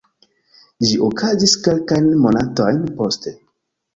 Ĝi okazis kelkajn monatojn poste.